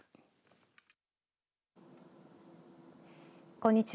こんにちは。